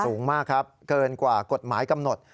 สูงมากครับเกินกว่ากฎหมายกำหนด